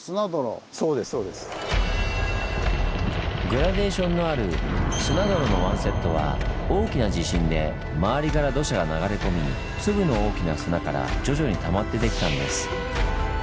グラデーションのある砂泥のワンセットは大きな地震で周りから土砂が流れ込み粒の大きな砂から徐々にたまってできたんです。